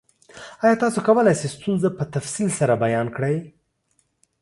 ایا تاسو کولی شئ ستونزه په تفصیل سره بیان کړئ؟